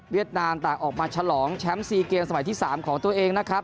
นามต่างออกมาฉลองแชมป์๔เกมสมัยที่๓ของตัวเองนะครับ